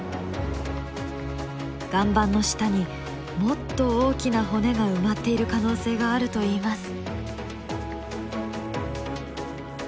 岩盤の下にもっと大きな骨が埋まっている可能性があるといいます。